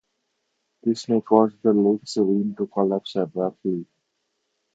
This may cause the lake's rim to collapse abruptly.